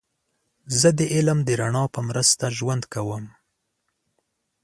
زه د علم د رڼا په مرسته ژوند کوم.